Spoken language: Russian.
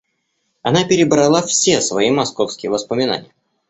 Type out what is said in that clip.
Она перебрала все свои московские воспоминания.